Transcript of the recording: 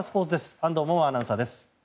安藤萌々アナウンサーです。